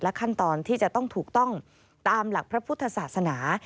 ขั้นตอนที่จะต้องถูกต้องตามหลักพระพุทธศาสนา